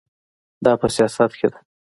دا په سیاست کې ده.